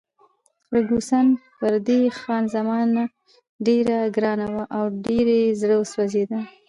فرګوسن پر دې خان زمان ډېره ګرانه وه او ډېر یې زړه سوځېده.